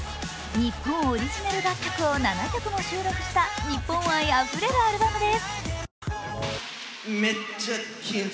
日本オリジナル楽曲を７曲も収録した日本愛あふれるアルバムです。